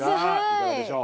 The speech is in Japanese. いかがでしょう？